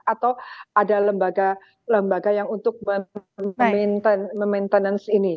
atau ada lembaga lembaga yang untuk memaintenance ini